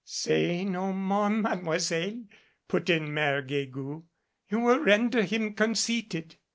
"Say no more, Mademoiselle," put in Mere Guegou, "You will render him conceited."